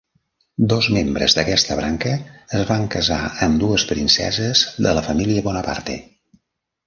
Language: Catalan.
Dos membres d'aquesta branca es van casar amb dues princeses de la família Bonaparte.